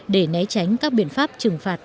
để né tránh các biện pháp trừng phạt